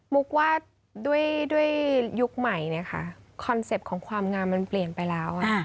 มุกว่าด้วยยุคใหม่เนี่ยค่ะคอนเซ็ปต์ของความงามมันเปลี่ยนไปแล้ว